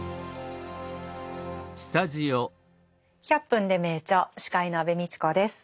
「１００分ｄｅ名著」司会の安部みちこです。